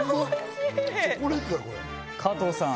加藤さん